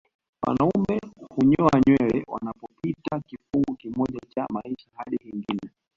Wanaume hunyoa nywele wanapopita kifungu kimoja cha maisha hadi kingine